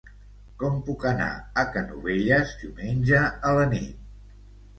Com puc anar a Canovelles diumenge a la nit?